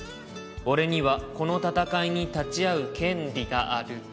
「俺にはこの戦いに立ち会う権利がある」